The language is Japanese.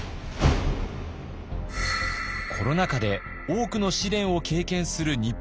コロナ禍で多くの試練を経験する日本。